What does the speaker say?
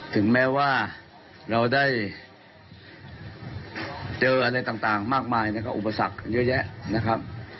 ถึงแม้ว่าเราได้เจออะไรต่างมากมายนะครับอุปสรรคเยอะแยะนะครับ